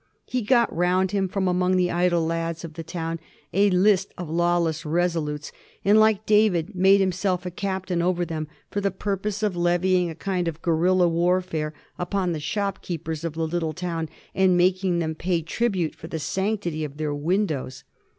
He got round him from among the idle lads of the town " a list of lawless resolutes," and, like David, made himself a captain over them for the purpose of levying a kind of guerilla warfare upon the shopkeepers of the little town, and making them pay tribute for the sanctity of their windows.